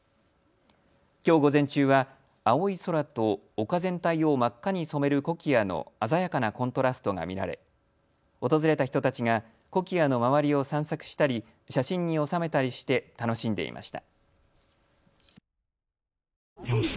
きょう午前中は青い空と丘全体を真っ赤に染めるコキアの鮮やかなコントラストが見られ訪れた人たちがコキアの周りを散策したり、写真に収めたりして楽しんでいました。